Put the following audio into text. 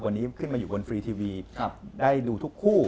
วันนี้ขึ้นมาอยู่บนฟรีทีวีได้ดูทุกคู่